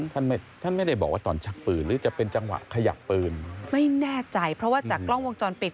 ท่านไม่ท่านไม่ได้บอกว่าตอนชักปืนหรือจะเป็นจังหวะขยับปืนไม่แน่ใจเพราะว่าจากกล้องวงจรปิด